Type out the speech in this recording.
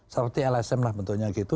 seperti lsm lah bentuknya gitu